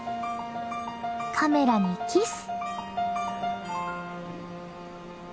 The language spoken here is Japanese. カメラにキス！